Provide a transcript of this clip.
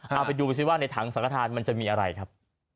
เอาไปดูซิว่าในถังสังฆฐานมันจะมีอะไรครับ